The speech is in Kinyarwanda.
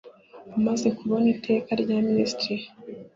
Amaze kubona iteka rya minisitiri